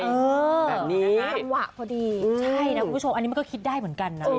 แบบนี้จังหวะพอดีใช่นะคุณผู้ชมอันนี้มันก็คิดได้เหมือนกันนะ